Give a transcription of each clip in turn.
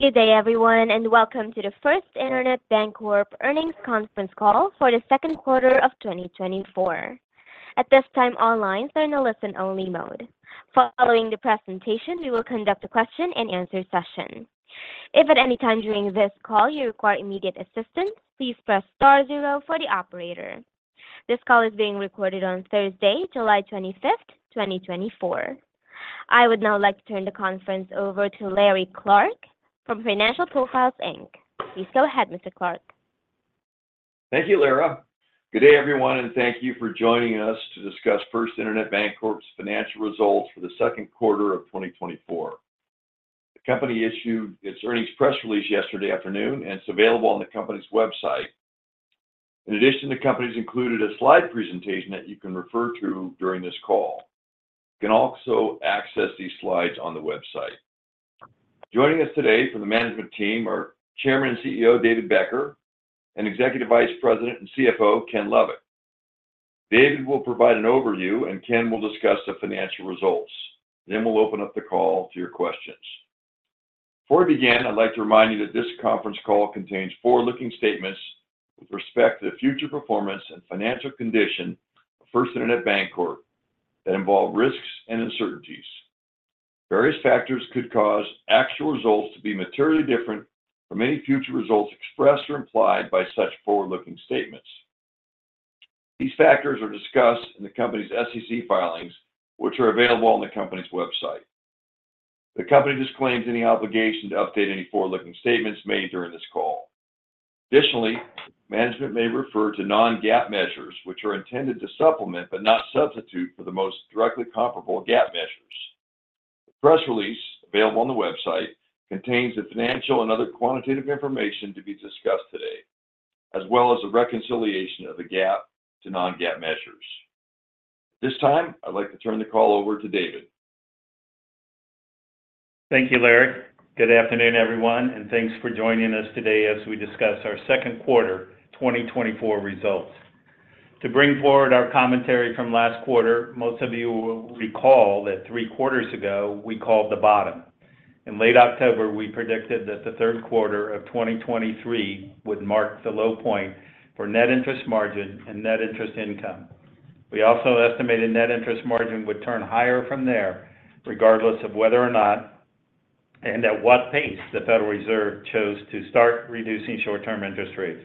Good day, everyone, and welcome to the First Internet Bancorp Earnings Conference Call for the second quarter of 2024. At this time, all lines are in a listen-only mode. Following the presentation, we will conduct a question-and-answer session. If at any time during this call you require immediate assistance, please press star zero for the operator. This call is being recorded on Thursday, July 25, 2024. I would now like to turn the conference over to Larry Clark from Financial Profiles Inc. Please go ahead, Mr. Clark. Thank you, Larry. Good day, everyone, and thank you for joining us to discuss First Internet Bancorp's financial results for the second quarter of 2024. The company issued its earnings press release yesterday afternoon, and it's available on the company's website. In addition, the company's included a slide presentation that you can refer to during this call. You can also access these slides on the website. Joining us today from the management team are Chairman and CEO, David Becker, and Executive Vice President and CFO, Ken Lovett. David will provide an overview and Ken will discuss the financial results. Then we'll open up the call to your questions. Before we begin, I'd like to remind you that this conference call contains forward-looking statements with respect to the future performance and financial condition of First Internet Bancorp that involve risks and uncertainties. Various factors could cause actual results to be materially different from any future results expressed or implied by such forward-looking statements. These factors are discussed in the company's SEC filings, which are available on the company's website. The company disclaims any obligation to update any forward-looking statements made during this call. Additionally, management may refer to non-GAAP measures, which are intended to supplement, but not substitute, for the most directly comparable GAAP measures. The press release available on the website contains the financial and other quantitative information to be discussed today, as well as a reconciliation of the GAAP to non-GAAP measures. At this time, I'd like to turn the call over to David. Thank you, Larry. Good afternoon, everyone, and thanks for joining us today as we discuss our second quarter 2024 results. To bring forward our commentary from last quarter, most of you will recall that three quarters ago, we called the bottom. In late October, we predicted that the third quarter of 2023 would mark the low point for net interest margin and net interest income. We also estimated net interest margin would turn higher from there, regardless of whether or not, and at what pace, the Federal Reserve chose to start reducing short-term interest rates.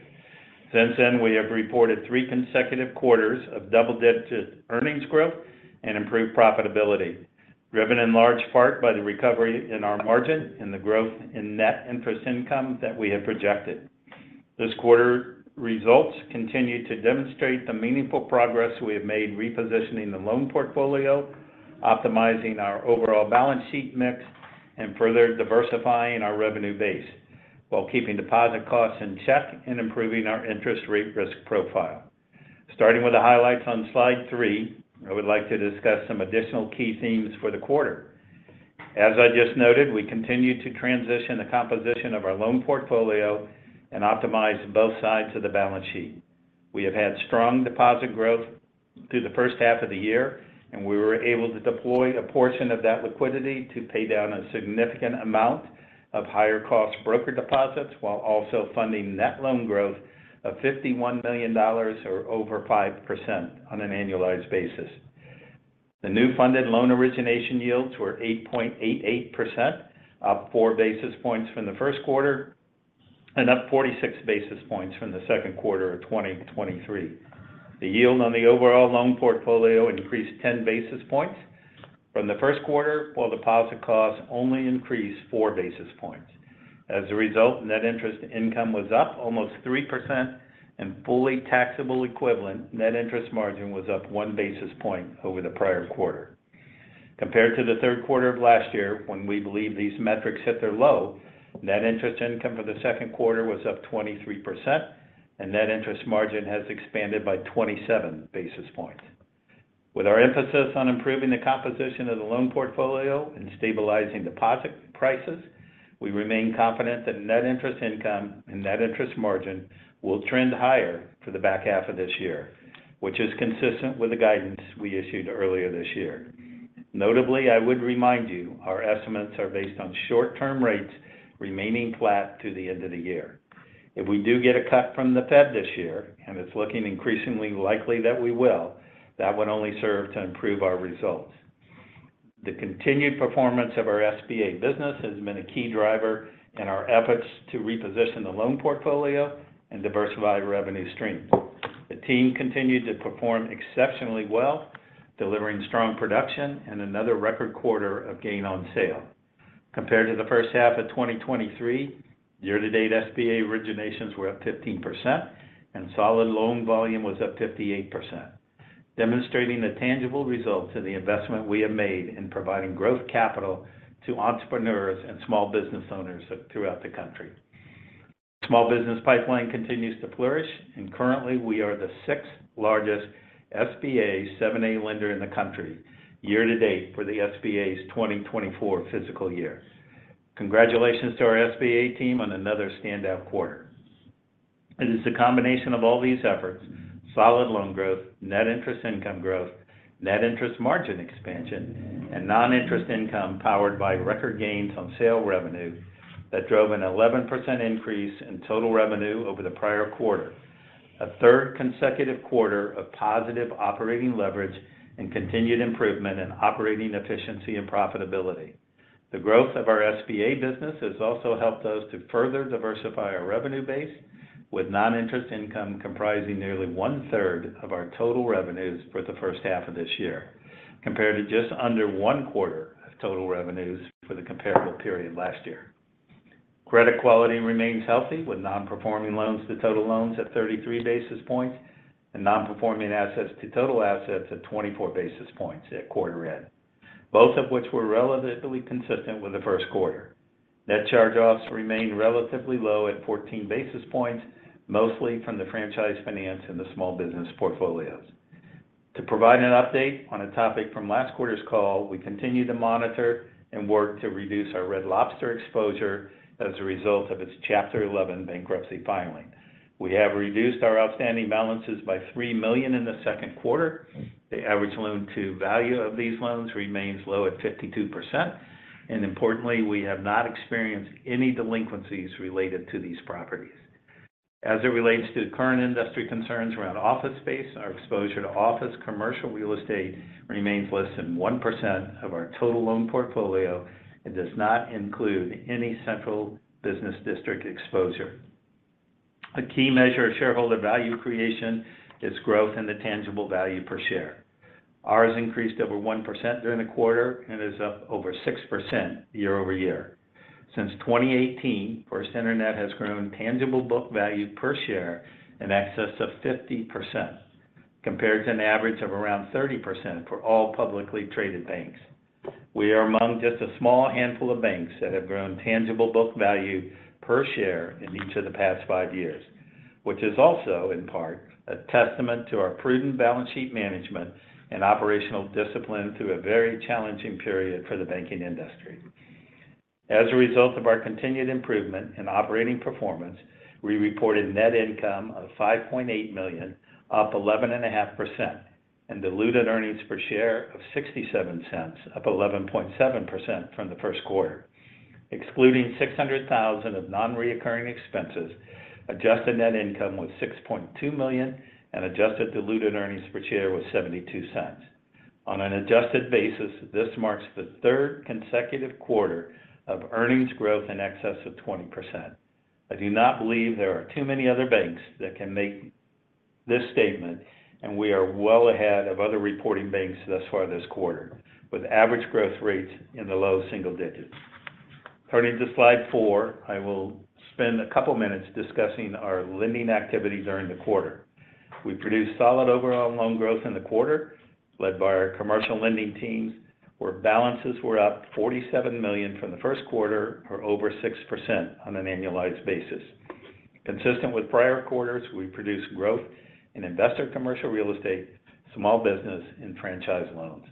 Since then, we have reported three consecutive quarters of double-digit earnings growth and improved profitability, driven in large part by the recovery in our margin and the growth in net interest income that we have projected. This quarter results continue to demonstrate the meaningful progress we have made, repositioning the loan portfolio, optimizing our overall balance sheet mix, and further diversifying our revenue base while keeping deposit costs in check and improving our interest rate risk profile. Starting with the highlights on slide 3, I would like to discuss some additional key themes for the quarter. As I just noted, we continued to transition the composition of our loan portfolio and optimize both sides of the balance sheet. We have had strong deposit growth through the first half of the year, and we were able to deploy a portion of that liquidity to pay down a significant amount of higher cost broker deposits, while also funding net loan growth of $51 million or over 5% on an annualized basis. The new funded loan origination yields were 8.88%, up 4 basis points from the first quarter and up 46 basis points from the second quarter of 2023. The yield on the overall loan portfolio increased 10 basis points from the first quarter, while deposit costs only increased 4 basis points. As a result, net interest income was up almost 3% and fully taxable equivalent net interest margin was up 1 basis point over the prior quarter. Compared to the third quarter of last year, when we believe these metrics hit their low, net interest income for the second quarter was up 23%, and net interest margin has expanded by 27 basis points. With our emphasis on improving the composition of the loan portfolio and stabilizing deposit prices, we remain confident that net interest income and net interest margin will trend higher for the back half of this year, which is consistent with the guidance we issued earlier this year. Notably, I would remind you, our estimates are based on short-term rates remaining flat to the end of the year. If we do get a cut from the Fed this year, and it's looking increasingly likely that we will, that would only serve to improve our results. The continued performance of our SBA business has been a key driver in our efforts to reposition the loan portfolio and diversify revenue streams. The team continued to perform exceptionally well, delivering strong production and another record quarter of gain on sale. Compared to the first half of 2023, year-to-date SBA originations were up 15%, and solid loan volume was up 58%, demonstrating the tangible results of the investment we have made in providing growth capital to entrepreneurs and small business owners throughout the country. Small business pipeline continues to flourish, and currently, we are the sixth largest SBA 7(a) lender in the country, year-to-date for the SBA's 2024 fiscal year. Congratulations to our SBA team on another standout quarter. It is the combination of all these efforts, solid loan growth, net interest income growth, net interest margin expansion, and non-interest income powered by record gains on sale revenue, that drove an 11% increase in total revenue over the prior quarter. A third consecutive quarter of positive operating leverage and continued improvement in operating efficiency and profitability. The growth of our SBA business has also helped us to further diversify our revenue base, with non-interest income comprising nearly one-third of our total revenues for the first half of this year, compared to just under one quarter of total revenues for the comparable period last year. Credit quality remains healthy, with non-performing loans to total loans at 33 basis points, and non-performing assets to total assets at 24 basis points at quarter end, both of which were relatively consistent with the first quarter. Net charge-offs remained relatively low at 14 basis points, mostly from the franchise finance and the small business portfolios. To provide an update on a topic from last quarter's call, we continue to monitor and work to reduce our Red Lobster exposure as a result of its Chapter 11 bankruptcy filing. We have reduced our outstanding balances by $3 million in the second quarter. The average loan to value of these loans remains low at 52%, and importantly, we have not experienced any delinquencies related to these properties. As it relates to current industry concerns around office space, our exposure to office commercial real estate remains less than 1% of our total loan portfolio and does not include any central business district exposure. A key measure of shareholder value creation is growth in the tangible value per share. Ours increased over 1% during the quarter and is up over 6% year-over-year. Since 2018, First Internet has grown tangible book value per share in excess of 50%, compared to an average of around 30% for all publicly traded banks. We are among just a small handful of banks that have grown tangible book value per share in each of the past 5 years, which is also, in part, a testament to our prudent balance sheet management and operational discipline through a very challenging period for the banking industry. As a result of our continued improvement in operating performance, we reported net income of $5.8 million, up 11.5%, and diluted earnings per share of $0.67, up 11.7% from the first quarter. Excluding $600,000 of nonrecurring expenses, adjusted net income was $6.2 million, and adjusted diluted earnings per share was $0.72. On an adjusted basis, this marks the third consecutive quarter of earnings growth in excess of 20%. I do not believe there are too many other banks that can make this statement, and we are well ahead of other reporting banks thus far this quarter, with average growth rates in the low single digits. Turning to slide four, I will spend a couple minutes discussing our lending activity during the quarter. We produced solid overall loan growth in the quarter, led by our commercial lending teams, where balances were up $47 million from the first quarter, or over 6% on an annualized basis. Consistent with prior quarters, we produced growth in investor commercial real estate, small business, and franchise loans.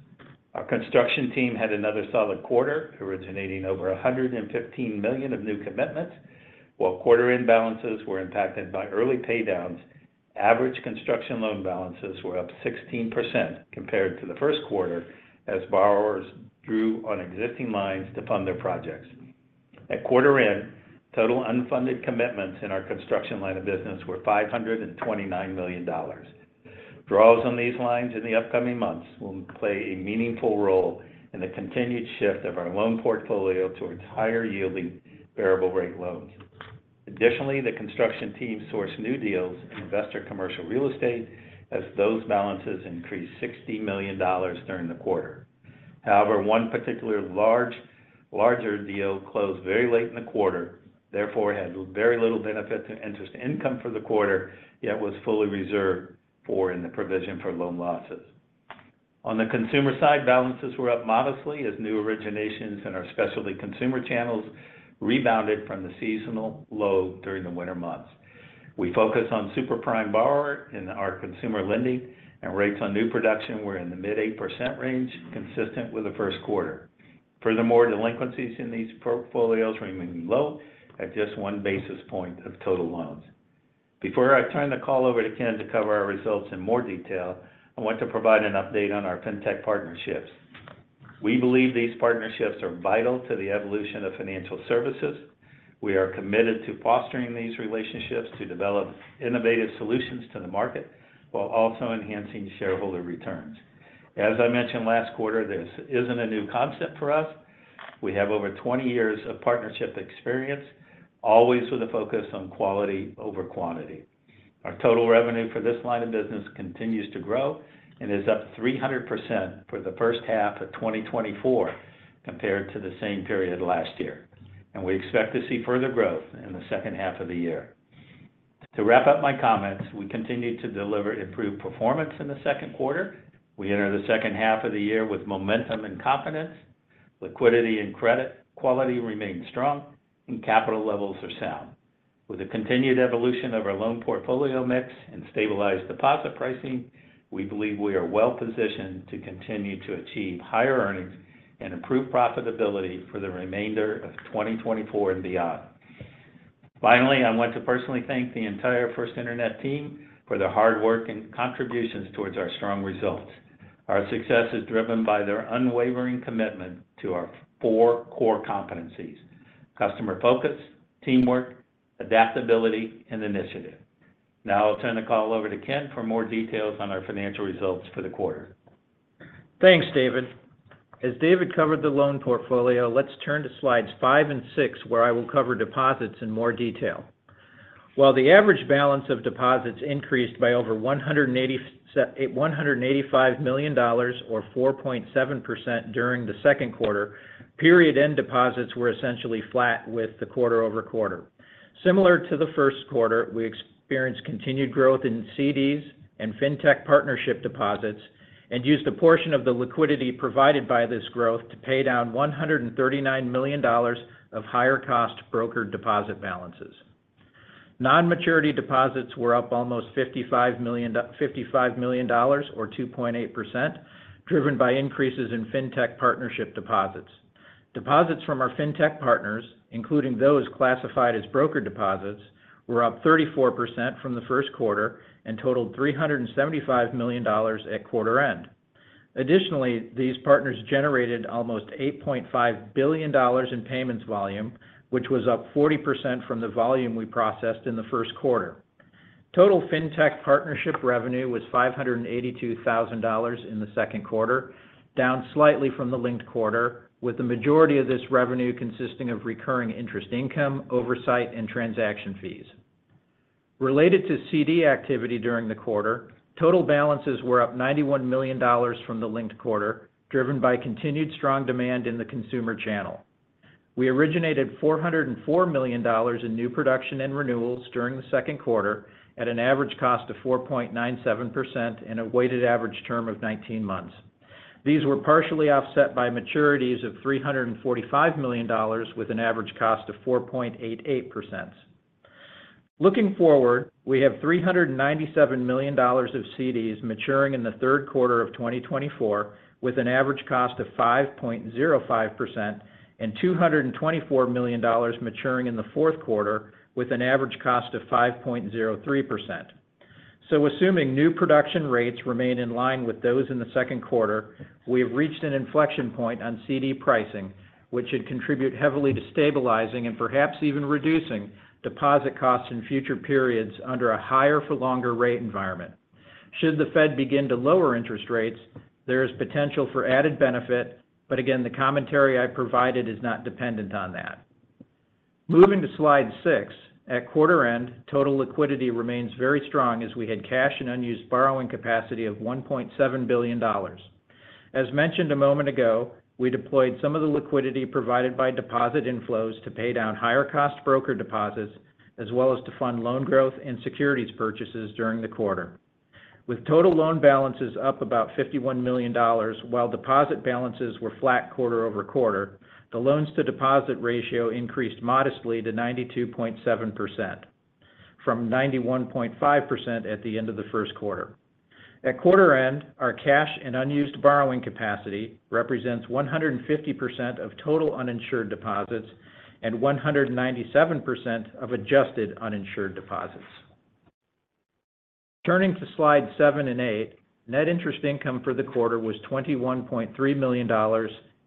Our construction team had another solid quarter, originating over $115 million of new commitments. While quarter end balances were impacted by early pay downs, average construction loan balances were up 16% compared to the first quarter, as borrowers drew on existing lines to fund their projects. At quarter end, total unfunded commitments in our construction line of business were $529 million. Draws on these lines in the upcoming months will play a meaningful role in the continued shift of our loan portfolio towards higher-yielding variable rate loans. Additionally, the construction team sourced new deals in investor commercial real estate, as those balances increased $60 million during the quarter. However, one particular larger deal closed very late in the quarter, therefore, had very little benefit to interest income for the quarter, yet was fully reserved for in the provision for loan losses. On the consumer side, balances were up modestly as new originations in our specialty consumer channels rebounded from the seasonal low during the winter months. We focus on super prime borrower in our consumer lending, and rates on new production were in the mid-8% range, consistent with the first quarter. Furthermore, delinquencies in these portfolios remain low at just one basis point of total loans. Before I turn the call over to Ken to cover our results in more detail, I want to provide an update on our Fintech partnerships. We believe these partnerships are vital to the evolution of financial services. We are committed to fostering these relationships to develop innovative solutions to the market, while also enhancing shareholder returns. As I mentioned last quarter, this isn't a new concept for us. We have over 20 years of partnership experience, always with a focus on quality over quantity. Our total revenue for this line of business continues to grow and is up 300% for the first half of 2024, compared to the same period last year, and we expect to see further growth in the second half of the year. To wrap up my comments, we continue to deliver improved performance in the second quarter. We enter the second half of the year with momentum and confidence, liquidity and credit quality remain strong, and capital levels are sound. With the continued evolution of our loan portfolio mix and stabilized deposit pricing, we believe we are well positioned to continue to achieve higher earnings... and improve profitability for the remainder of 2024 and beyond. Finally, I want to personally thank the entire First Internet team for their hard work and contributions towards our strong results. Our success is driven by their unwavering commitment to our four core competencies: customer focus, teamwork, adaptability, and initiative. Now, I'll turn the call over to Ken for more details on our financial results for the quarter. Thanks, David. As David covered the loan portfolio, let's turn to Slides five and six, where I will cover deposits in more detail. While the average balance of deposits increased by over $185 million, or 4.7% during the second quarter, period-end deposits were essentially flat with the quarter-over-quarter. Similar to the first quarter, we experienced continued growth in CDs and Fintech partnership deposits, and used a portion of the liquidity provided by this growth to pay down $139 million of higher cost brokered deposit balances. Non-maturity deposits were up almost $55 million, or 2.8%, driven by increases in Fintech partnership deposits. Deposits from our Fintech partners, including those classified as broker deposits, were up 34% from the first quarter and totaled $375 million at quarter end. Additionally, these partners generated almost $8.5 billion in payments volume, which was up 40% from the volume we processed in the first quarter. Total Fintech partnership revenue was $582,000 in the second quarter, down slightly from the linked quarter, with the majority of this revenue consisting of recurring interest income, oversight, and transaction fees. Related to CD activity during the quarter, total balances were up $91 million from the linked quarter, driven by continued strong demand in the consumer channel. We originated $404 million in new production and renewals during the second quarter at an average cost of 4.97% and a weighted average term of 19 months. These were partially offset by maturities of $345 million, with an average cost of 4.88%. Looking forward, we have $397 million of CDs maturing in the third quarter of 2024, with an average cost of 5.05%, and $224 million maturing in the fourth quarter, with an average cost of 5.03%. So assuming new production rates remain in line with those in the second quarter, we have reached an inflection point on CD pricing, which should contribute heavily to stabilizing and perhaps even reducing deposit costs in future periods under a higher for longer rate environment. Should the Fed begin to lower interest rates, there is potential for added benefit, but again, the commentary I provided is not dependent on that. Moving to Slide 6, at quarter end, total liquidity remains very strong as we had cash and unused borrowing capacity of $1.7 billion. As mentioned a moment ago, we deployed some of the liquidity provided by deposit inflows to pay down higher cost broker deposits, as well as to fund loan growth and securities purchases during the quarter. With total loan balances up about $51 million, while deposit balances were flat quarter-over-quarter, the loans to deposit ratio increased modestly to 92.7%, from 91.5% at the end of the first quarter. At quarter end, our cash and unused borrowing capacity represents 150% of total uninsured deposits and 197% of adjusted uninsured deposits. Turning to Slides 7 and 8, net interest income for the quarter was $21.3 million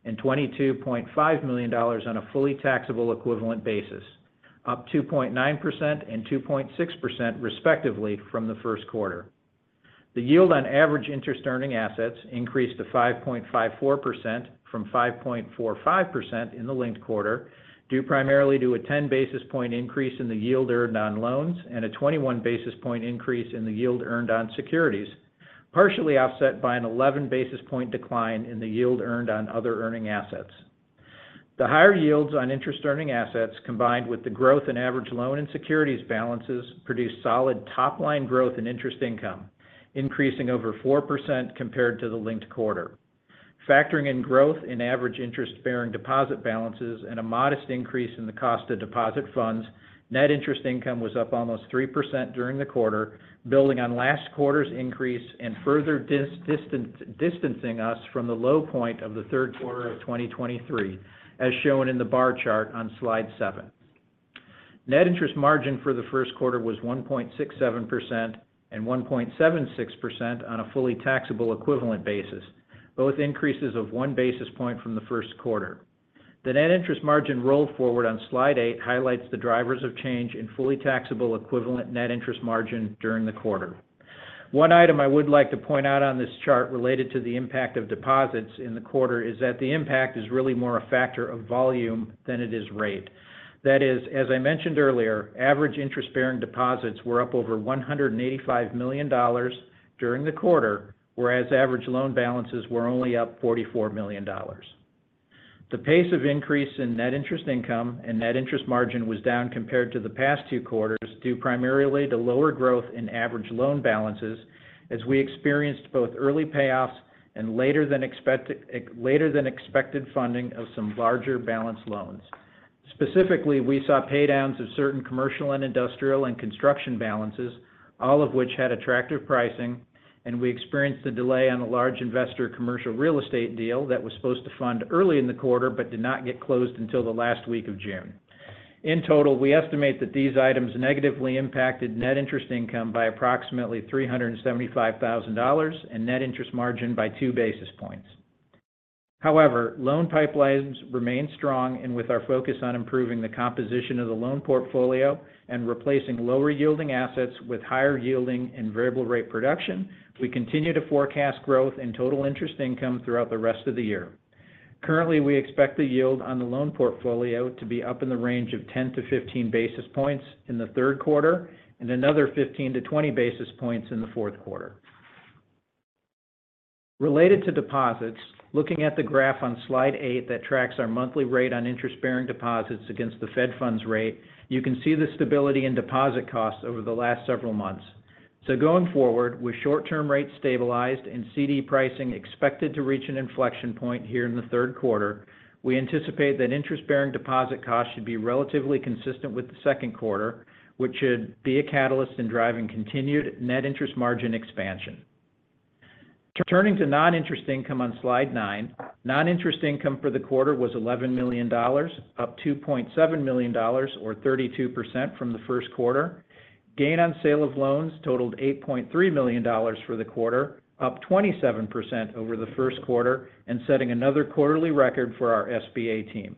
and $22.5 million on a fully taxable equivalent basis, up 2.9% and 2.6% respectively from the first quarter. The yield on average interest earning assets increased to 5.54% from 5.45% in the linked quarter, due primarily to a 10 basis point increase in the yield earned on loans and a 21 basis point increase in the yield earned on securities, partially offset by an 11 basis point decline in the yield earned on other earning assets. The higher yields on interest earning assets, combined with the growth in average loan and securities balances, produced solid top-line growth in interest income, increasing over 4% compared to the linked quarter. Factoring in growth in average interest-bearing deposit balances and a modest increase in the cost of deposit funds, net interest income was up almost 3% during the quarter, building on last quarter's increase and further distancing us from the low point of the third quarter of 2023, as shown in the bar chart on slide seven. Net interest margin for the first quarter was 1.67% and 1.76% on a fully taxable equivalent basis, both increases of one basis point from the first quarter. The net interest margin roll forward on slide eight highlights the drivers of change in fully taxable equivalent net interest margin during the quarter. One item I would like to point out on this chart related to the impact of deposits in the quarter, is that the impact is really more a factor of volume than it is rate. That is, as I mentioned earlier, average interest-bearing deposits were up over $185 million during the quarter, whereas average loan balances were only up $44 million. The pace of increase in net interest income and net interest margin was down compared to the past two quarters, due primarily to lower growth in average loan balances, as we experienced both early payoffs and later than expected funding of some larger balance loans. Specifically, we saw pay downs of certain commercial and industrial and construction balances, all of which had attractive pricing, and we experienced a delay on a large investor commercial real estate deal that was supposed to fund early in the quarter, but did not get closed until the last week of June. In total, we estimate that these items negatively impacted net interest income by approximately $375,000 and net interest margin by two basis points. However, loan pipelines remain strong, and with our focus on improving the composition of the loan portfolio and replacing lower-yielding assets with higher-yielding and variable rate production, we continue to forecast growth in total interest income throughout the rest of the year. Currently, we expect the yield on the loan portfolio to be up in the range of 10-15 basis points in the third quarter and another 15-20 basis points in the fourth quarter. Related to deposits, looking at the graph on Slide 8 that tracks our monthly rate on interest-bearing deposits against the Fed funds rate, you can see the stability in deposit costs over the last several months. So going forward, with short-term rates stabilized and CD pricing expected to reach an inflection point here in the third quarter, we anticipate that interest-bearing deposit costs should be relatively consistent with the second quarter, which should be a catalyst in driving continued net interest margin expansion. Turning to non-interest income on Slide 9. Non-interest income for the quarter was $11 million, up $2.7 million or 32% from the first quarter. Gain on sale of loans totaled $8.3 million for the quarter, up 27% over the first quarter, and setting another quarterly record for our SBA team.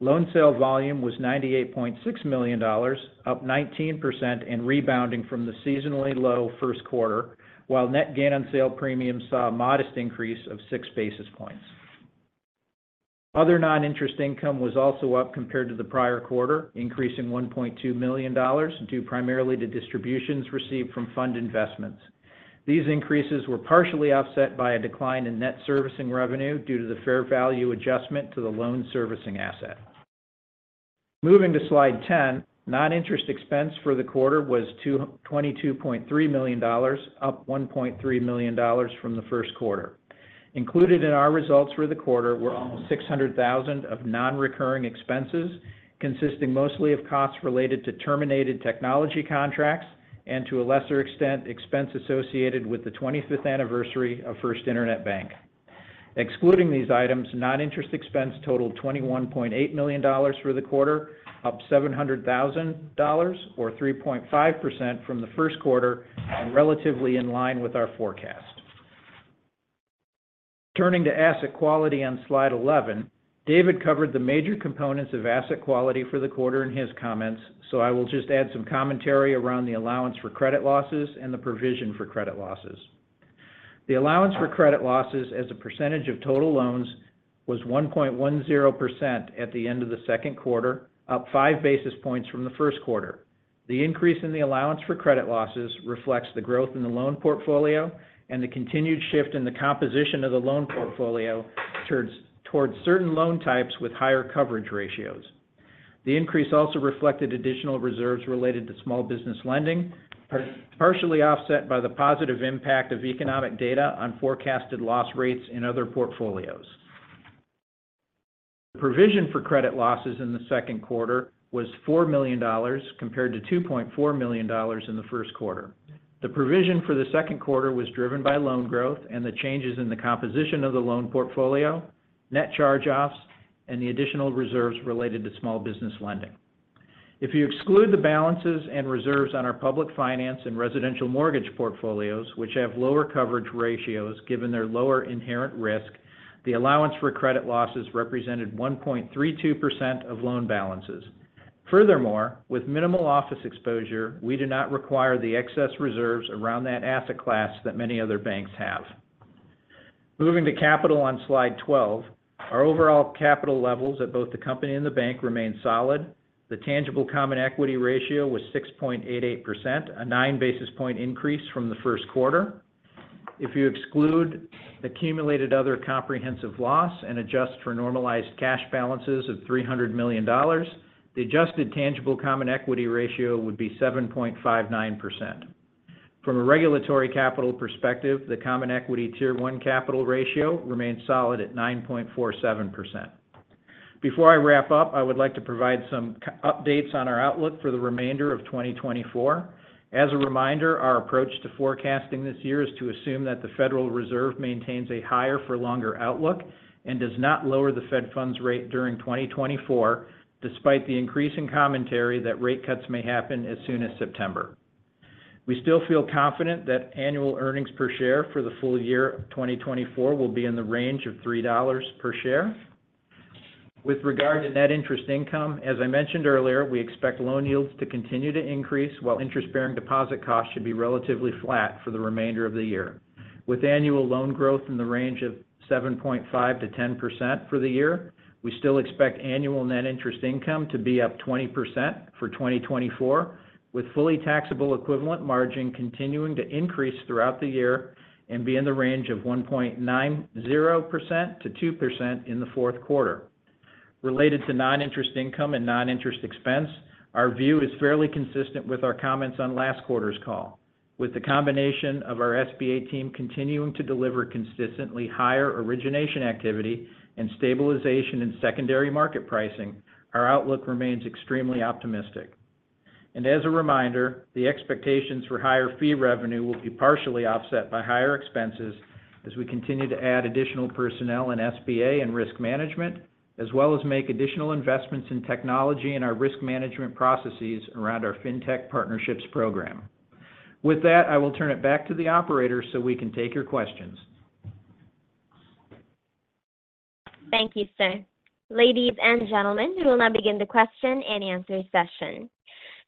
Loan sale volume was $98.6 million, up 19% and rebounding from the seasonally low first quarter, while net gain on sale premiums saw a modest increase of six basis points. Other non-interest income was also up compared to the prior quarter, increasing $1.2 million, due primarily to distributions received from fund investments. These increases were partially offset by a decline in net servicing revenue due to the fair value adjustment to the loan servicing asset. Moving to Slide 10, non-interest expense for the quarter was $22.3 million, up $1.3 million from the first quarter. Included in our results for the quarter were almost $600,000 of non-recurring expenses, consisting mostly of costs related to terminated technology contracts and, to a lesser extent, expense associated with the 25th anniversary of First Internet Bank. Excluding these items, non-interest expense totaled $21.8 million for the quarter, up $700,000 or 3.5% from the first quarter and relatively in line with our forecast. Turning to asset quality on Slide 11, David covered the major components of asset quality for the quarter in his comments, so I will just add some commentary around the allowance for credit losses and the provision for credit losses. The allowance for credit losses as a percentage of total loans was 1.10% at the end of the second quarter, up five basis points from the first quarter. The increase in the allowance for credit losses reflects the growth in the loan portfolio and the continued shift in the composition of the loan portfolio towards certain loan types with higher coverage ratios. The increase also reflected additional reserves related to small business lending, partially offset by the positive impact of economic data on forecasted loss rates in other portfolios. The provision for credit losses in the second quarter was $4 million, compared to $2.4 million in the first quarter. The provision for the second quarter was driven by loan growth and the changes in the composition of the loan portfolio, net charge-offs, and the additional reserves related to small business lending. If you exclude the balances and reserves on our public finance and residential mortgage portfolios, which have lower coverage ratios, given their lower inherent risk, the allowance for credit losses represented 1.32% of loan balances. Furthermore, with minimal office exposure, we do not require the excess reserves around that asset class that many other banks have. Moving to capital on Slide 12. Our overall capital levels at both the company and the bank remain solid. The tangible common equity ratio was 6.88%, a 9 basis point increase from the first quarter. If you exclude accumulated other comprehensive loss and adjust for normalized cash balances of $300 million, the adjusted tangible common equity ratio would be 7.59%. From a regulatory capital perspective, the common equity Tier One capital ratio remains solid at 9.47%. Before I wrap up, I would like to provide some updates on our outlook for the remainder of 2024. As a reminder, our approach to forecasting this year is to assume that the Federal Reserve maintains a higher for longer outlook and does not lower the Fed funds rate during 2024, despite the increase in commentary that rate cuts may happen as soon as September. We still feel confident that annual earnings per share for the full year of 2024 will be in the range of $3 per share. With regard to net interest income, as I mentioned earlier, we expect loan yields to continue to increase, while interest-bearing deposit costs should be relatively flat for the remainder of the year. With annual loan growth in the range of 7.5%-10% for the year, we still expect annual net interest income to be up 20% for 2024, with fully taxable equivalent margin continuing to increase throughout the year and be in the range of 1.90%-2% in the fourth quarter. Related to non-interest income and non-interest expense, our view is fairly consistent with our comments on last quarter's call. With the combination of our SBA team continuing to deliver consistently higher origination activity and stabilization in secondary market pricing, our outlook remains extremely optimistic. As a reminder, the expectations for higher fee revenue will be partially offset by higher expenses as we continue to add additional personnel in SBA and risk management, as well as make additional investments in technology and our risk management processes around our Fintech Partnerships program. With that, I will turn it back to the operator, so we can take your questions. Thank you, sir. Ladies and gentlemen, we will now begin the question-and-answer session.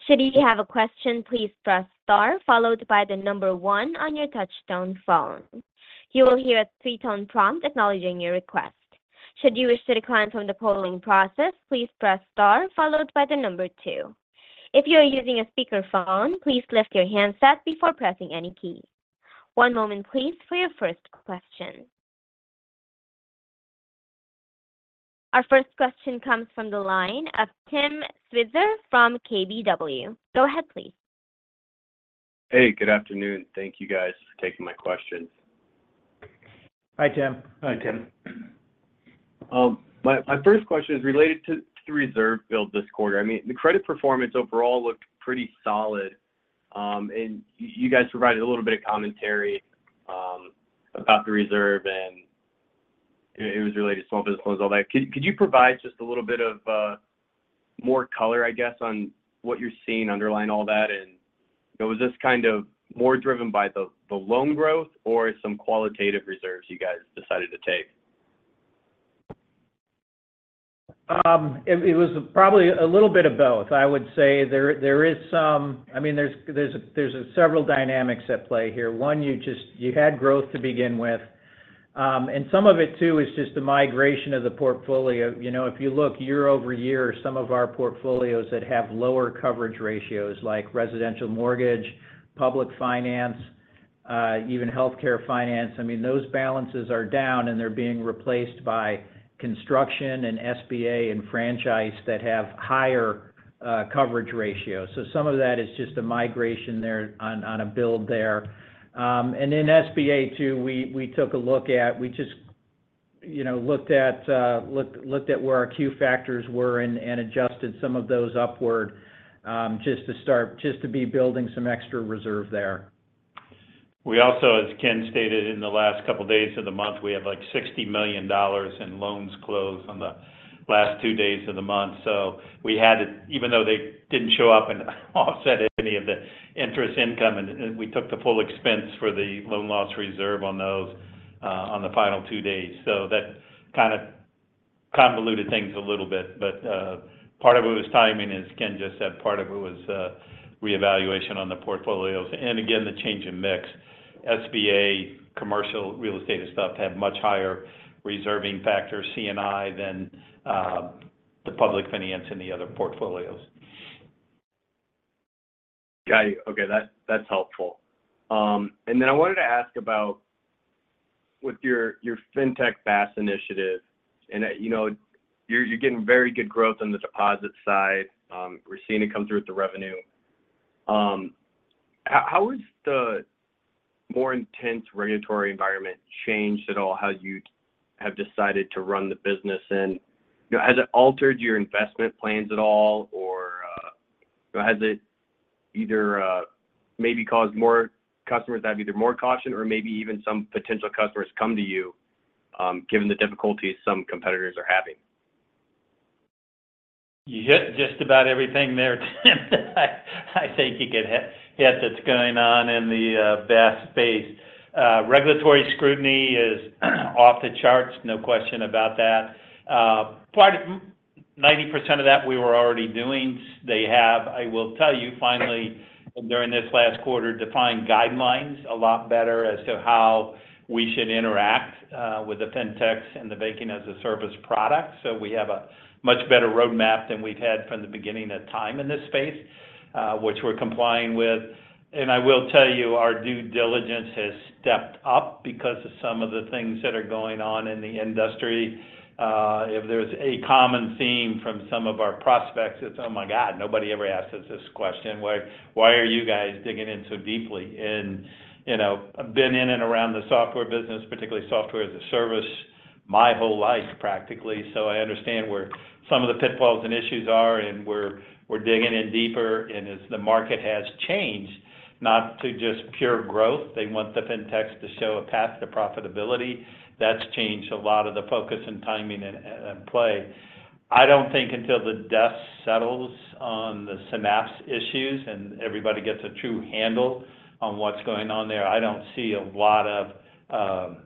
Should you have a question, please press star followed by the number one on your touch-tone phone. You will hear a three-tone prompt acknowledging your request. Should you wish to decline from the polling process, please press star followed by the number two. If you are using a speakerphone, please lift your handset before pressing any key. One moment please, for your first question. Our first question comes from the line of Tim Switzer from KBW. Go ahead, please. Hey, good afternoon. Thank you, guys, for taking my questions. Hi, Tim. Hi, Tim. My first question is related to the reserve build this quarter. I mean, the credit performance overall looked pretty solid, and you guys provided a little bit of commentary about the reserve, and it was related to small business loans, all that. Could you provide just a little bit of more color, I guess, on what you're seeing underlying all that? And was this kind of more driven by the loan growth or some qualitative reserves you guys decided to take? It was probably a little bit of both. I would say there is some—I mean, there's several dynamics at play here. One, you just you had growth to begin with, and some of it, too, is just the migration of the portfolio. You know, if you look year-over-year, some of our portfolios that have lower coverage ratios, like residential mortgage, public finance, even healthcare finance, I mean, those balances are down, and they're being replaced by construction and SBA and franchise that have higher coverage ratios. So some of that is just a migration there on a build there. And then SBA, too, we took a look at. We just, you know, looked at where our Q factors were and adjusted some of those upward, just to start, just to be building some extra reserve there. We also, as Ken stated, in the last couple of days of the month, we had, like, $60 million in loans closed on the last two days of the month. So we had to, even though they didn't show up and offset any of the interest income, and we took the full expense for the loan loss reserve on those on the final two days. So that kind of convoluted things a little bit, but part of it was timing, as Ken just said, part of it was reevaluation on the portfolios. And again, the change in mix. SBA, commercial, real estate, and stuff have much higher reserving factor, C&I, than the public finance and the other portfolios. Got you. Okay, that, that's helpful. And then I wanted to ask about with your, your Fintech BaaS initiative, and, you know, you're, you're getting very good growth on the deposit side. We're seeing it come through with the revenue. How, how has the more intense regulatory environment changed at all, how you'd have decided to run the business? And, you know, has it altered your investment plans at all, or, has it either, maybe caused more customers to have either more caution or maybe even some potential customers come to you, given the difficulties some competitors are having? You hit just about everything there, Tim. I think you could hit what's going on in the BaaS space. Regulatory scrutiny is off the charts, no question about that. Part of 90% of that we were already doing. They have, I will tell you finally, during this last quarter, defined guidelines a lot better as to how we should interact with the Fintechs and the banking-as-a-service product. So we have a much better roadmap than we've had from the beginning of time in this space, which we're complying with. And I will tell you, our due diligence has stepped up because of some of the things that are going on in the industry. If there's a common theme from some of our prospects, it's, "Oh, my God, nobody ever asked us this question. Why, why are you guys digging in so deeply?" And, you know, I've been in and around the software business, particularly software as a service, my whole life, practically, so I understand where some of the pitfalls and issues are, and we're, we're digging in deeper. And as the market has changed, not to just pure growth, they want the fintechs to show a path to profitability. That's changed a lot of the focus and timing in play. I don't think until the dust settles on the Synapse issues and everybody gets a true handle on what's going on there, I don't see a lot of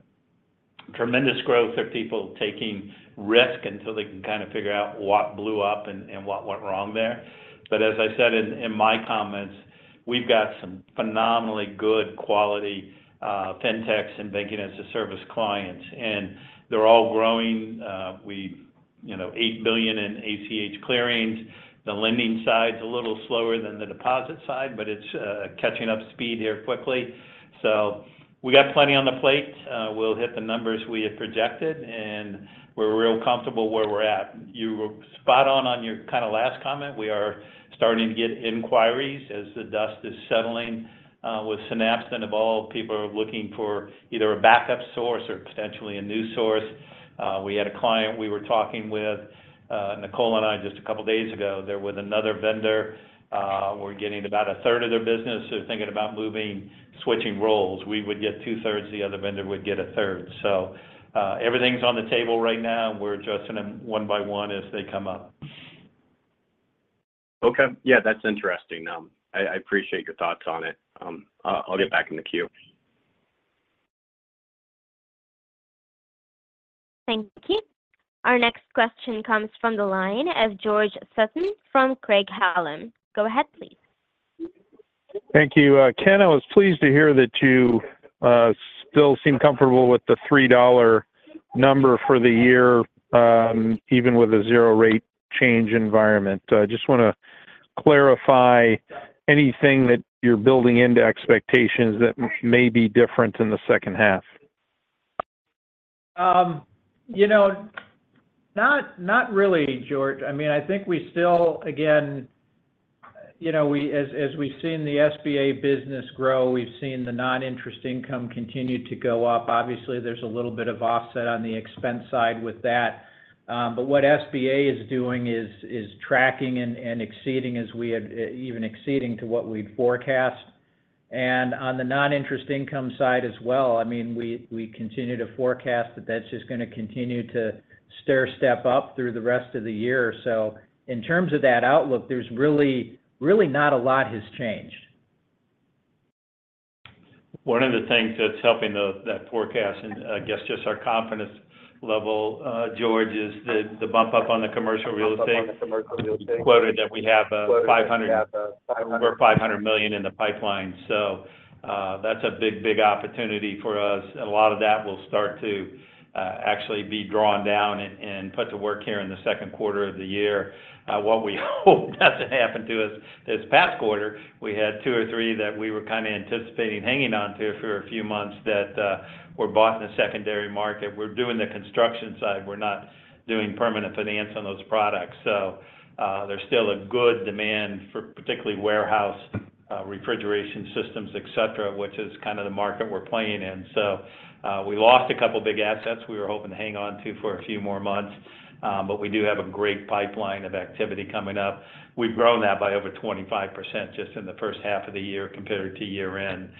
tremendous growth of people taking risk until they can kind of figure out what blew up and, and what went wrong there. But as I said in, in my comments, we've got some phenomenally good quality, Fintechs and banking-as-a-service clients, and they're all growing. We you know, $8 billion in ACH clearings. The lending side is a little slower than the deposit side, but it's catching up speed here quickly. So we got plenty on the plate. We'll hit the numbers we had projected, and we're real comfortable where we're at. You were spot on, on your kind of last comment. We are starting to get inquiries as the dust is settling with Synapse. And of all people are looking for either a backup source or potentially a new source. We had a client we were talking with, Nicole and I, just a couple of days ago. They're with another vendor, we're getting about a third of their business. They're thinking about moving, switching roles. We would get two thirds, the other vendor would get a third. So, everything's on the table right now. We're adjusting them one by one as they come up. Okay. Yeah, that's interesting. I appreciate your thoughts on it. I'll get back in the queue. Thank you. Our next question comes from the line of George Sutton from Craig-Hallum. Go ahead, please. Thank you. Ken, I was pleased to hear that you still seem comfortable with the $3 number for the year, even with a 0 rate change environment. So I just want to clarify anything that you're building into expectations that may be different in the second half. You know, not, not really, George. I mean, I think we still, again, you know, we as, as we've seen the SBA business grow, we've seen the non-interest income continue to go up. Obviously, there's a little bit of offset on the expense side with that. But what SBA is doing is, is tracking and, and exceeding as we had, even exceeding to what we'd forecast. And on the non-interest income side as well, I mean, we, we continue to forecast that that's just going to continue to stair-step up through the rest of the year. So in terms of that outlook, there's really, really not a lot has changed. One of the things that's helping that forecast, and I guess just our confidence level, George, is the bump up on the commercial real estate. We quoted that we have over $500 million in the pipeline, so that's a big, big opportunity for us. A lot of that will start to actually be drawn down and put to work here in the second quarter of the year. What we hope doesn't happen to us this past quarter, we had two or three that we were kind of anticipating hanging on to for a few months that were bought in the secondary market. We're doing the construction side. We're not doing permanent finance on those products. So, there's still a good demand for particularly warehouse, refrigeration systems, et cetera, which is kind of the market we're playing in. So, we lost a couple of big assets we were hoping to hang on to for a few more months, but we do have a great pipeline of activity coming up. We've grown that by over 25% just in the first half of the year compared to year-end.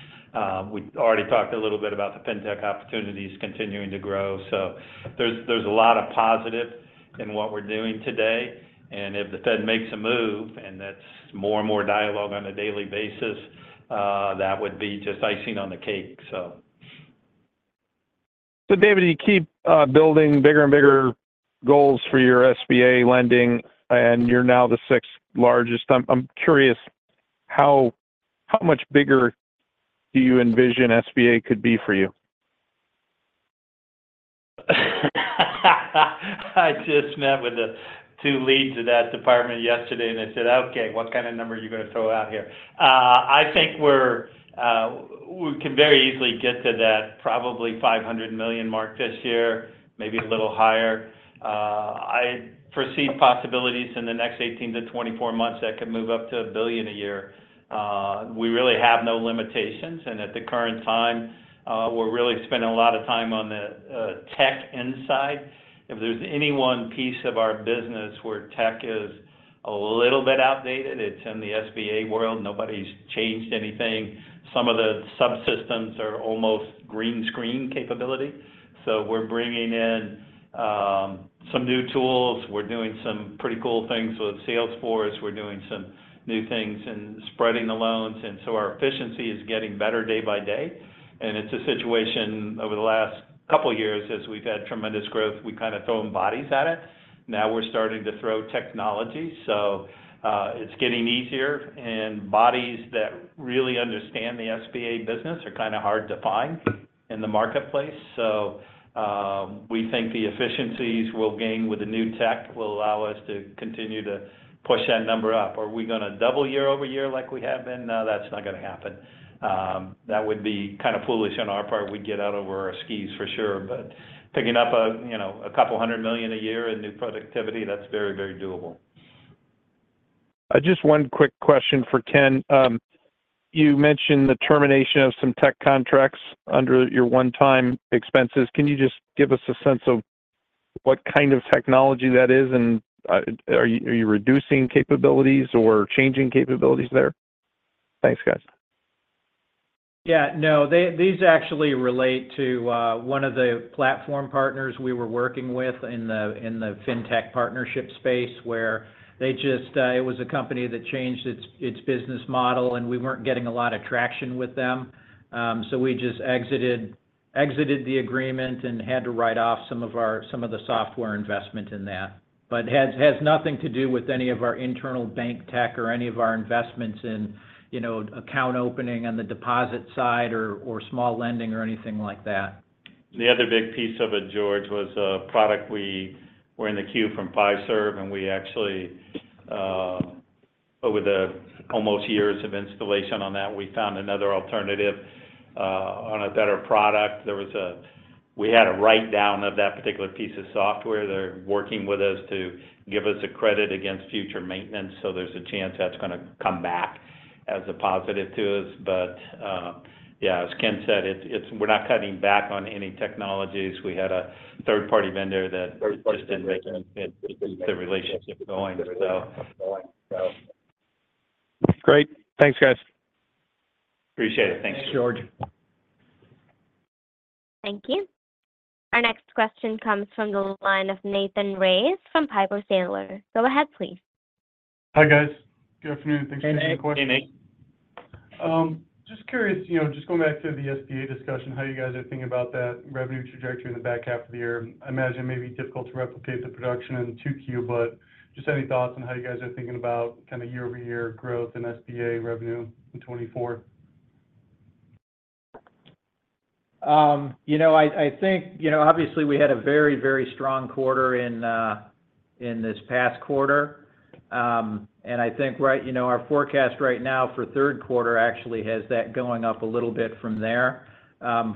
We already talked a little bit about the fintech opportunities continuing to grow. So there's, there's a lot of positive in what we're doing today. And if the Fed makes a move, and that's more and more dialogue on a daily basis, that would be just icing on the cake, so. So, David, you keep building bigger and bigger goals for your SBA lending, and you're now the sixth-largest. I'm curious, how much bigger do you envision SBA could be for you? I just met with the two leads of that department yesterday, and I said, "Okay, what kind of number are you going to throw out here?" I think we're, we can very easily get to that probably $500 million mark this year, maybe a little higher. I foresee possibilities in the next 18-24 months that could move up to $1 billion a year. We really have no limitations, and at the current time, we're really spending a lot of time on the, tech end side. If there's any one piece of our business where tech is a little bit outdated, it's in the SBA world. Nobody's changed anything. Some of the subsystems are almost green screen capability. So we're bringing in some new tools. We're doing some pretty cool things with Salesforce. We're doing some new things and spreading the loans, and so our efficiency is getting better day by day. It's a situation over the last couple of years, as we've had tremendous growth, we kind of throwing bodies at it. Now we're starting to throw technology, so it's getting easier, and bodies that really understand the SBA business are kind of hard to find in the marketplace. We think the efficiencies we'll gain with the new tech will allow us to continue to push that number up. Are we going to double year over year like we have been? No, that's not going to happen. That would be kind of foolish on our part. We'd get out over our skis for sure, but picking up a, you know, $200 million a year in new productivity, that's very, very doable. Just one quick question for Ken. You mentioned the termination of some tech contracts under your one-time expenses. Can you just give us a sense of what kind of technology that is, and, are you, are you reducing capabilities or changing capabilities there? Thanks, guys. Yeah. No, they these actually relate to one of the platform partners we were working with in the, in the fintech partnership space, where they just it was a company that changed its business model, and we weren't getting a lot of traction with them. So we just exited the agreement and had to write off some of our some of the software investment in that. But has nothing to do with any of our internal bank tech or any of our investments in, you know, account opening on the deposit side or small lending or anything like that. The other big piece of it, George, was a product we were in the queue from Fiserv, and we actually over the almost years of installation on that, we found another alternative on a better product. There was we had a write-down of that particular piece of software. They're working with us to give us a credit against future maintenance, so there's a chance that's gonna come back as a positive to us. But yeah, as Ken said, it's we're not cutting back on any technologies. We had a third-party vendor that just didn't make it, the relationship going, so. Great. Thanks, guys. Appreciate it. Thank you. Thanks, George. Thank you. Our next question comes from the line of Nathan Race from Piper Sandler. Go ahead, please. Hi, guys. Good afternoon. Thanks for taking the question. Hey, Nate. Hey, Nate. Just curious, you know, just going back to the SBA discussion, how you guys are thinking about that revenue trajectory in the back half of the year. I imagine it may be difficult to replicate the production in 2Q, but just any thoughts on how you guys are thinking about kind of year-over-year growth in SBA revenue in 2024? You know, I think, you know, obviously, we had a very, very strong quarter in this past quarter. And I think right now, you know, our forecast for third quarter actually has that going up a little bit from there.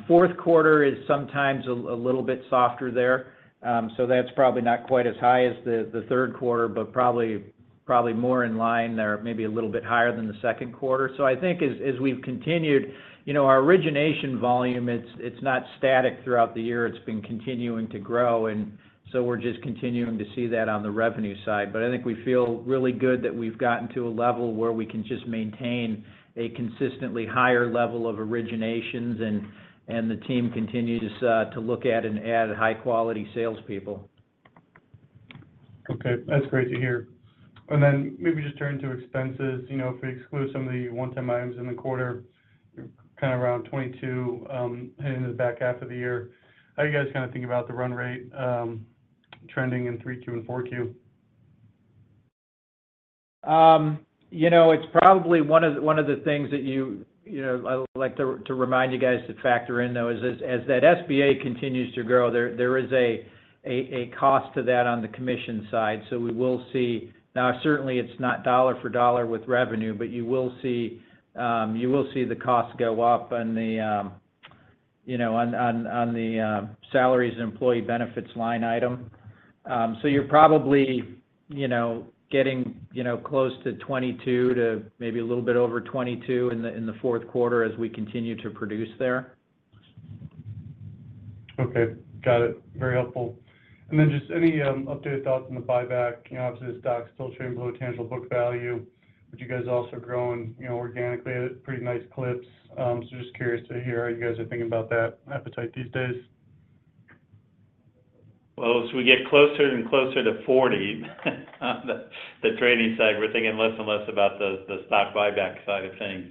Fourth quarter is sometimes a little bit softer there. So that's probably not quite as high as the third quarter, but probably more in line there, maybe a little bit higher than the second quarter. So I think as we've continued, you know, our origination volume, it's not static throughout the year, it's been continuing to grow, and so we're just continuing to see that on the revenue side. But I think we feel really good that we've gotten to a level where we can just maintain a consistently higher level of originations, and the team continues to look at and add high-quality salespeople. Okay. That's great to hear. And then maybe just turning to expenses, you know, if we exclude some of the one-time items in the quarter, kind of around 22, in the back half of the year, how are you guys kinda thinking about the run rate, trending in 3Q and 4Q? You know, it's probably one of the things that you know, I'd like to remind you guys to factor in, though, is as that SBA continues to grow, there is a cost to that on the commission side. So we will see... Now, certainly, it's not dollar for dollar with revenue, but you will see the costs go up on the, you know, on the salaries and employee benefits line item. So you're probably, you know, getting close to 22 to maybe a little bit over 22 in the fourth quarter as we continue to produce there. Okay. Got it. Very helpful. And then just any updated thoughts on the buyback? You know, obviously, the stock still trading below tangible book value, but you guys are also growing, you know, organically at pretty nice clips. So just curious to hear how you guys are thinking about that appetite these days. Well, as we get closer and closer to 40, on the, the trading side, we're thinking less and less about the, the stock buyback side of things.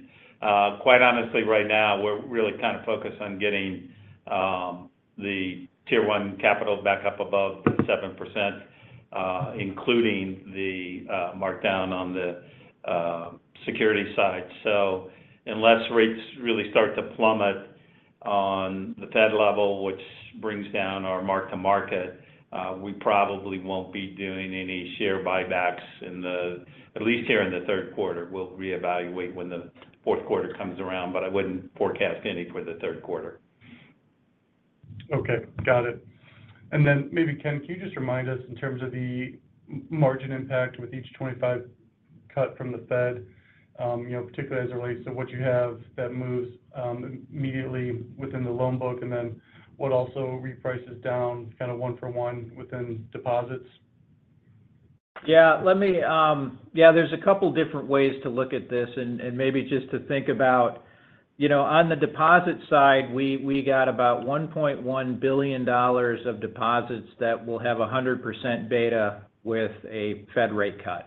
Quite honestly, right now, we're really kind of focused on getting the Tier One capital back up above the 7%, including the markdown on the security side. So unless rates really start to plummet on the Fed level, which brings down our mark-to-market, we probably won't be doing any share buybacks in at least here in the third quarter. We'll reevaluate when the fourth quarter comes around, but I wouldn't forecast any for the third quarter. Okay. Got it. And then maybe, Ken, can you just remind us in terms of the margin impact with each 25 cut from the Fed, you know, particularly as it relates to what you have that moves immediately within the loan book, and then what also reprices down kind of one for one within deposits? Yeah. Let me. Yeah, there's a couple different ways to look at this, and maybe just to think about, you know, on the deposit side, we got about $1.1 billion of deposits that will have 100% beta with a Fed rate cut.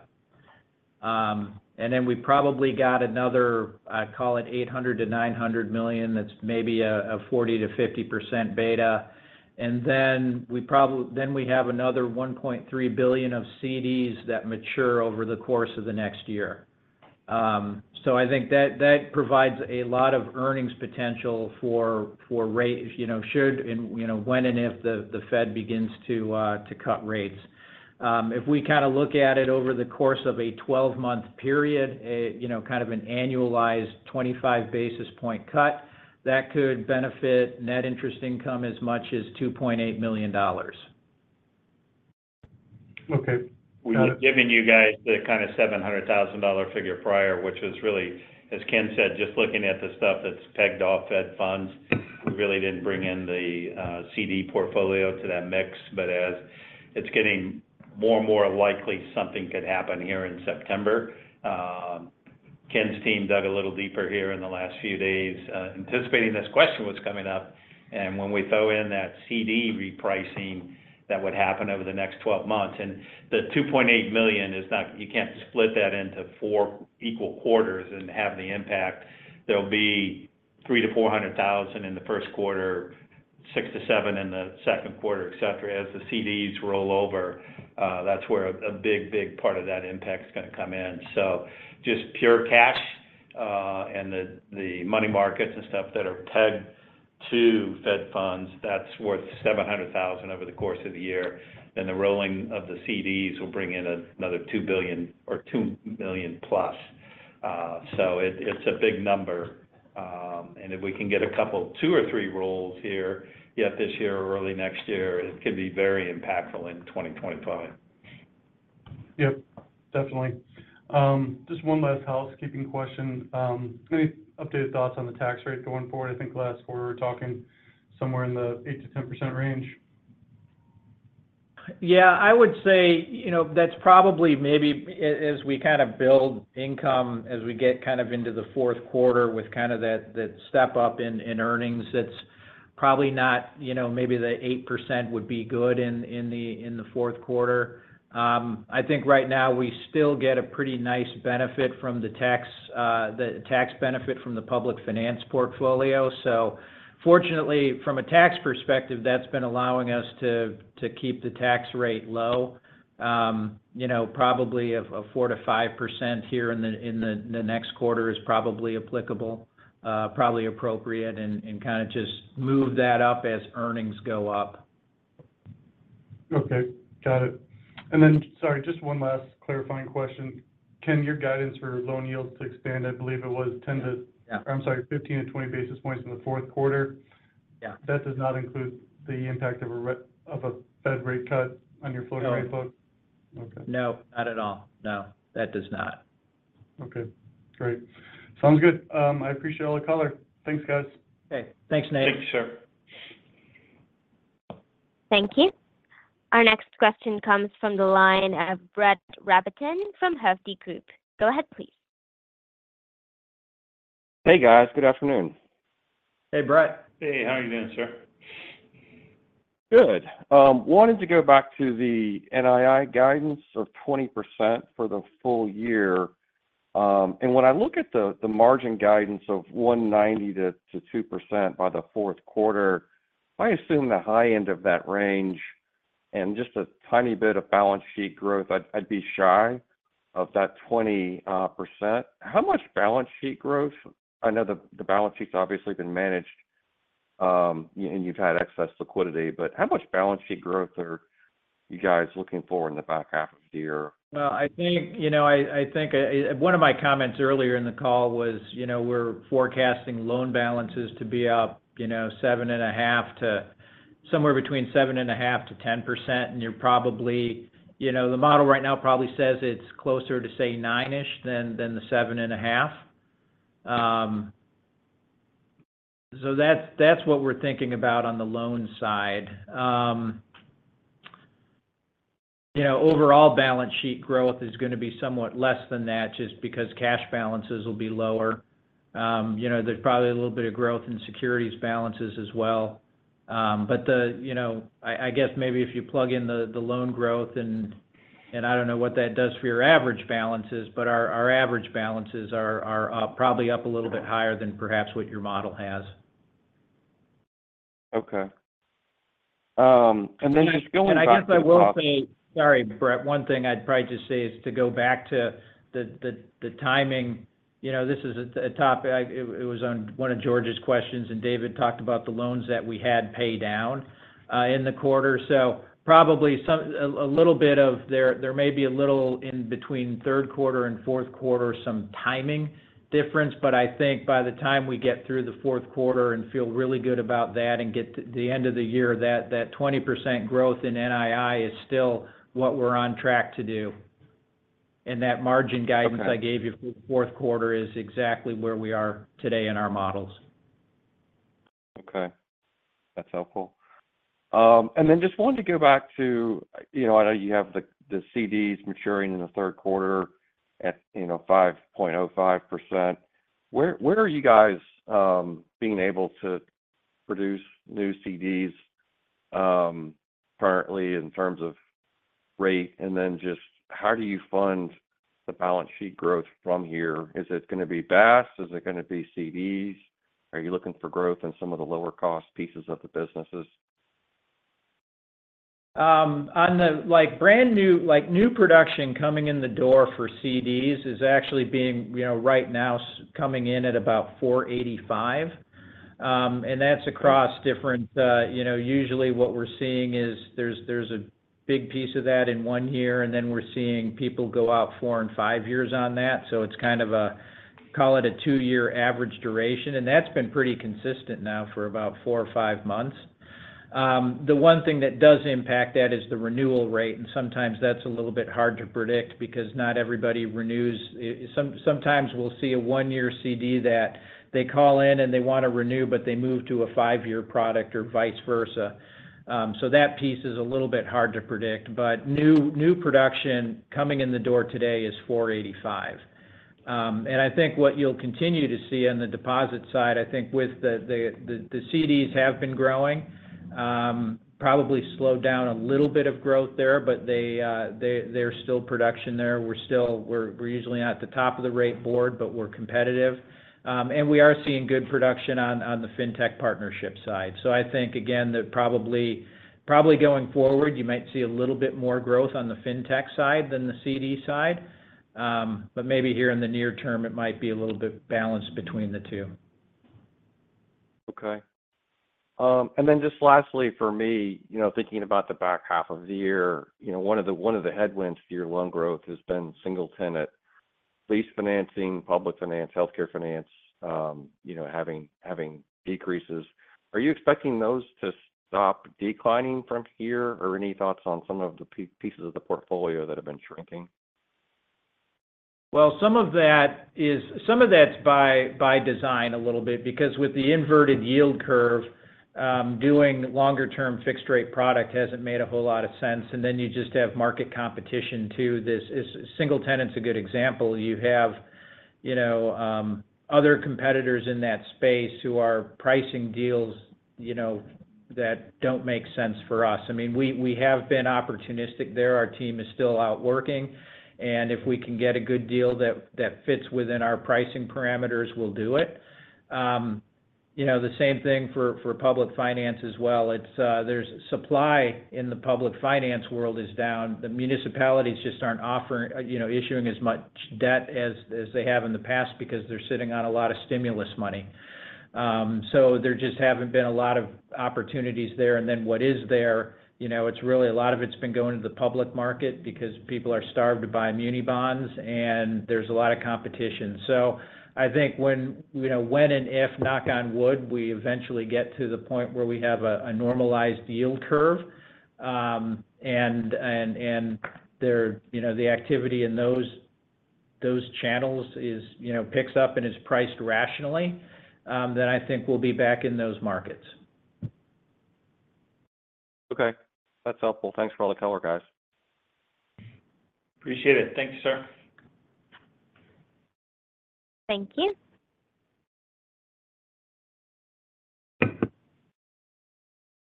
And then we probably got another, I'd call it $800 million-$900 million, that's maybe a 40%-50% beta. And then we have another $1.3 billion of CDs that mature over the course of the next year. So I think that provides a lot of earnings potential for rate, you know, should and, you know, when and if the Fed begins to cut rates. If we kinda look at it over the course of a 12-month period, you know, kind of an annualized 25 basis point cut, that could benefit net interest income as much as $2.8 million. Okay. Got it. We were giving you guys the kind of $700,000 figure prior, which was really, as Ken said, just looking at the stuff that's pegged off Fed funds. We really didn't bring in the, CD portfolio to that mix, but as it's getting more and more likely something could happen here in September, Ken's team dug a little deeper here in the last few days, anticipating this question was coming up. And when we throw in that CD repricing, that would happen over the next 12 months. And the $2.8 million is not—you can't split that into 4 equal quarters and have the impact. There'll be $300,000-$400,000 in the first quarter, $600,000-$700,000 in the second quarter, et cetera. As the CDs roll over, that's where a big, big part of that impact is gonna come in. So just pure cash, and the money markets and stuff that are pegged- to Fed funds, that's worth $700,000 over the course of the year. Then the rolling of the CDs will bring in another $2 billion or $2+ million. So it, it's a big number. And if we can get a couple, 2 or 3 rolls here, yet this year or early next year, it could be very impactful in 2025. Yep, definitely. Just one last housekeeping question. Any updated thoughts on the tax rate going forward? I think last quarter, we were talking somewhere in the 8%-10% range. Yeah, I would say, you know, that's probably, maybe as we kind of build income, as we get kind of into the fourth quarter with kind of that step up in earnings, that's probably not, you know, maybe the 8% would be good in the fourth quarter. I think right now we still get a pretty nice benefit from the tax benefit from the public finance portfolio. So fortunately, from a tax perspective, that's been allowing us to keep the tax rate low. You know, probably 4%-5% here in the next quarter is probably applicable, probably appropriate, and kind of just move that up as earnings go up. Okay, got it. And then, sorry, just one last clarifying question. Ken, your guidance for loan yields to expand, I believe it was 10 to-Yeah. I'm sorry, 15-20 basis points in the fourth quarter? That does not include the impact of a Fed rate cut on your floating rate book? No. Okay. No, not at all. No, that does not. Okay, great. Sounds good. I appreciate all the color. Thanks, guys. Hey, thanks, Nate. Thank you, sir. Thank you. Our next question comes from the line of Brett Rabatin from Hovde Group. Go ahead, please. Hey, guys. Good afternoon. Hey, Brett. Hey, how are you doing, sir? Good. Wanted to go back to the NII guidance of 20% for the full year. When I look at the margin guidance of 1.90%-2% by the fourth quarter, I assume the high end of that range and just a tiny bit of balance sheet growth, I'd be shy of that 20%. How much balance sheet growth - I know the balance sheet's obviously been managed, and you've had excess liquidity, but how much balance sheet growth are you guys looking for in the back half of the year? Well, I think, you know, one of my comments earlier in the call was, you know, we're forecasting loan balances to be up, you know, 7.5%-10%, and you're probably, you know, the model right now probably says it's closer to, say, 9-ish than the 7.5. So that's what we're thinking about on the loan side. You know, overall balance sheet growth is gonna be somewhat less than that, just because cash balances will be lower. You know, there's probably a little bit of growth in securities balances as well. But, you know, I guess maybe if you plug in the loan growth in—and I don't know what that does for your average balances, but our average balances are probably up a little bit higher than perhaps what your model has. Okay. And then just going back to- I guess I will say... Sorry, Brett. One thing I'd probably just say is to go back to the timing. You know, this is a topic, it was on one of George's questions, and David talked about the loans that we had paid down in the quarter. So probably some – a little bit, there may be a little in between third quarter and fourth quarter, some timing difference, but I think by the time we get through the fourth quarter and feel really good about that and get to the end of the year, that 20% growth in NII is still what we're on track to do. And that margin guidance- Okay I gave you for fourth quarter is exactly where we are today in our models. Okay. That's helpful. And then just wanted to go back to, you know, I know you have the, the CDs maturing in the third quarter at, you know, 5.05%. Where, where are you guys being able to produce new CDs currently in terms of rate? And then just how do you fund the balance sheet growth from here? Is it gonna be BaaS? Is it gonna be CDs? Are you looking for growth in some of the lower cost pieces of the businesses? On the like, brand new—like, new production coming in the door for CDs is actually being, you know, right now, coming in at about 4.85. And that's across different. You know, usually what we're seeing is there's, there's a big piece of that in one year, and then we're seeing people go out 4 and 5 years on that. So it's kind of a, call it a 2-year average duration, and that's been pretty consistent now for about 4 or 5 months. The one thing that does impact that is the renewal rate, and sometimes that's a little bit hard to predict because not everybody renews. Sometimes we'll see a 1-year CD that they call in, and they want to renew, but they move to a 5-year product or vice versa. So that piece is a little bit hard to predict, but new, new production coming in the door today is $485. And I think what you'll continue to see on the deposit side, I think with the CDs have been growing, probably slowed down a little bit of growth there, but they, there, there's still production there. We're still usually not at the top of the rate board, but we're competitive. And we are seeing good production on the Fintech partnership side. So I think, again, that probably, probably going forward, you might see a little bit more growth on the Fintech side than the CD side. But maybe here in the near term, it might be a little bit balanced between the two. Okay. And then just lastly, for me, you know, thinking about the back half of the year, you know, one of the, one of the headwinds to your loan growth has been single tenant lease financing, public finance, healthcare finance, you know, having, having decreases. Are you expecting those to stop declining from here? Or any thoughts on some of the pieces of the portfolio that have been shrinking? Well, some of that is some of that's by design a little bit, because with the inverted yield curve, doing longer-term fixed rate product hasn't made a whole lot of sense, and then you just have market competition, too. This is single tenant's a good example. You have, you know, other competitors in that space who are pricing deals, you know, that don't make sense for us. I mean, we have been opportunistic there. Our team is still out working, and if we can get a good deal that fits within our pricing parameters, we'll do it. You know, the same thing for public finance as well. It's, there's supply in the public finance world is down. The municipalities just aren't offering, you know, issuing as much debt as they have in the past because they're sitting on a lot of stimulus money. So there just haven't been a lot of opportunities there. And then what is there, you know, it's really a lot of it's been going to the public market because people are starved to buy muni bonds, and there's a lot of competition. So I think when, you know, when and if, knock on wood, we eventually get to the point where we have a normalized yield curve, and there, you know, the activity in those channels picks up and is priced rationally, then I think we'll be back in those markets. Okay. That's helpful. Thanks for all the color, guys. Appreciate it. Thank you, sir. Thank you.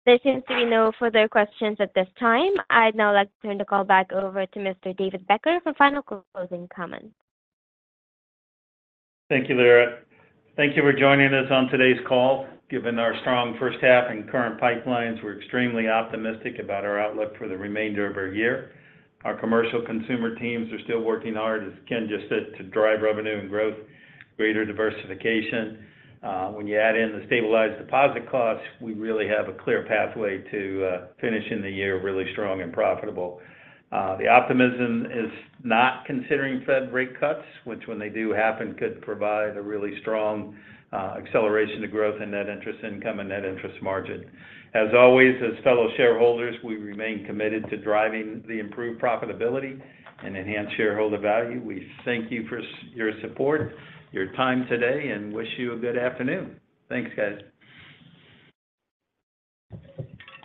There seems to be no further questions at this time. I'd now like to turn the call back over to Mr. David Becker for final closing comments. Thank you, Larry. Thank you for joining us on today's call. Given our strong first half and current pipelines, we're extremely optimistic about our outlook for the remainder of our year. Our commercial consumer teams are still working hard, as Ken just said, to drive revenue and growth, greater diversification. When you add in the stabilized deposit costs, we really have a clear pathway to finishing the year really strong and profitable. The optimism is not considering Fed rate cuts, which, when they do happen, could provide a really strong acceleration to growth in net interest income and net interest margin. As always, as fellow shareholders, we remain committed to driving the improved profitability and enhance shareholder value. We thank you for your support, your time today, and wish you a good afternoon. Thanks, guys.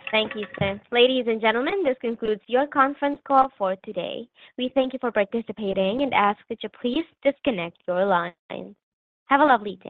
Thank you, sir. Ladies and gentlemen, this concludes your conference call for today. We thank you for participating and ask that you please disconnect your lines. Have a lovely day.